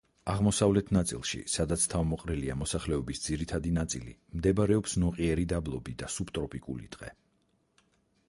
აღმოსავლეთ ნაწილში, სადაც თავმოყრილია მოსახლეობის ძირითადი ნაწილი, მდებარეობს ნოყიერი დაბლობი და სუბტროპიკული ტყე.